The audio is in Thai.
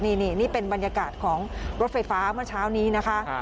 นี่เป็นบรรยากาศของรถไฟฟ้าเมื่อเช้านี้นะคะ